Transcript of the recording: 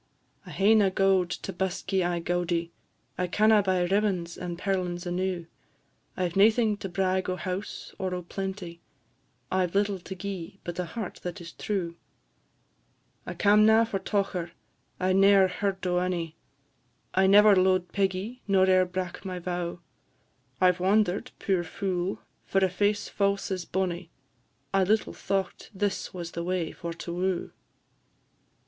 "I hae na gowd to busk ye aye gaudie; I canna buy ribbons and perlins enew; I 've naething to brag o' house, or o' plenty, I 've little to gi'e, but a heart that is true. I cam' na for tocher I ne'er heard o' onie; I never lo'ed Peggy, nor e'er brak my vow: I 've wander'd, puir fule! for a face fause as bonnie: I little thocht this was the way for to woo."